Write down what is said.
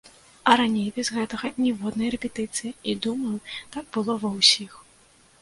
А раней без гэтага ніводнай рэпетыцыі, і, думаю, так было ва ўсіх.